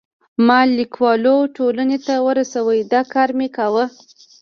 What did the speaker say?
ما لیکوالو ټولنې ته ورسوی، دا کار مې کاوه.